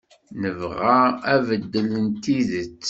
Nebɣa abeddel n tidet.